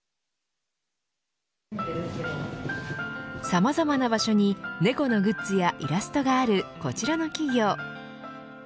さまざまな場所にネコのグッズやイラストがあるこちらの企業。